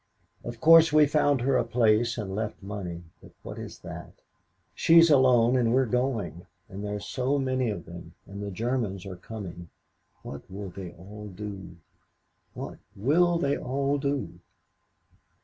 Of course we've found her a place and left money, but what is that? she's alone and we're going and there are so many of them and the Germans are coming what will they all do what will they all do?"...